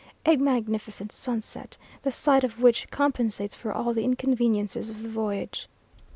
A magnificent sunset, the sight of which compensates for all the inconveniences of the voyage.